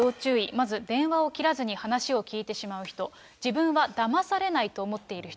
まず電話を切らずに話を聞いてしまう人、自分はだまされないと思っている人。